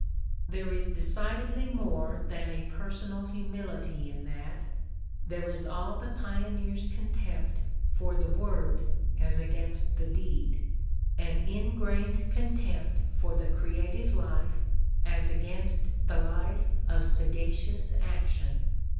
There is decid edly more than a personal humility in that, there is all the pioneer 's contempt for the word as against the deed, an ingrained contempt for the creative life as against the life of sagacious atetion.